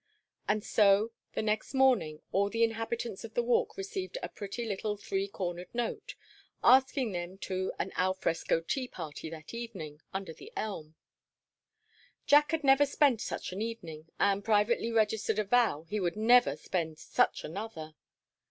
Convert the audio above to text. And so the next morning all the inhabitants of the Walk received a pretty little three cornered note, asking them to an al fresco tea party that evening, under the elm. Jack had never spent such a Sunday, and privately registered a vow he would never spend such another.